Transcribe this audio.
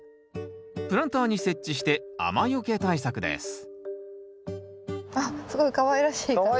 プランターに設置して雨よけ対策ですあっすごいかわいらしい傘で。